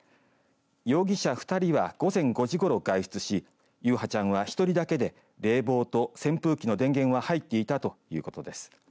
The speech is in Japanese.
容疑者２人は午前５時ごろ、外出し優陽ちゃんは１人だけで冷房と扇風機の電源は入っていたということです。